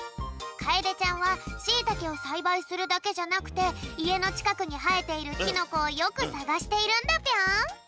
かえでちゃんはシイタケをさいばいするだけじゃなくていえのちかくにはえているキノコをよくさがしているんだぴょん。